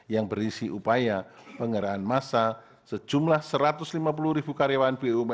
yang berisi upaya pengerahan masa sejumlah satu ratus lima puluh ribu karyawan bumn